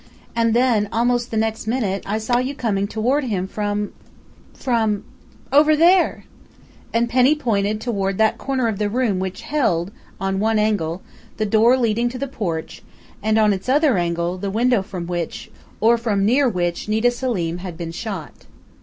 And then almost the next minute I saw you coming toward him from from over there!" And Penny pointed toward that corner of the room which held, on one angle, the door leading to the porch, and on its other angle the window from which, or from near which Nita Selim had been shot.